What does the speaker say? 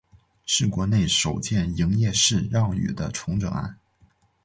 是国内首件营业式让与的重整案。